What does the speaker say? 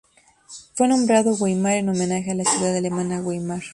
Fue nombrado Weimar en homenaje a la ciudad alemana Weimar.